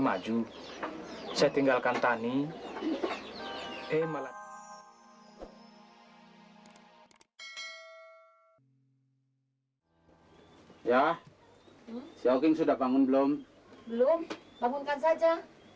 maju saya tinggalkan tani emang ya jauh sudah bangun belum belum bangun kan saja